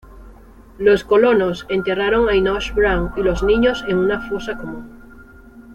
Los colonos enterraron a Enoch Brown y los niños en una fosa común.